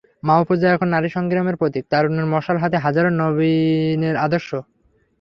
মাহফুজা এখন নারী সংগ্রামের প্রতীক, তারুণ্যের মশাল হাতে হাজারো নবীনের আদর্শ।